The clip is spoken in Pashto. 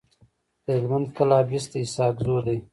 د هلمند کلابست د اسحق زو دی.